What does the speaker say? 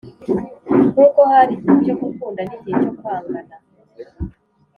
Nk’uko hari igihe cyo gukunda n’igihe cyo kwangana